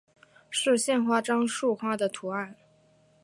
是县花樟树花的图案化。